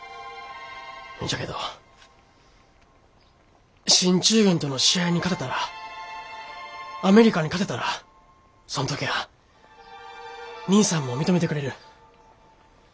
じゃけど進駐軍との試合に勝てたらアメリカに勝てたらそん時ゃあ兄さんも認めてくれる。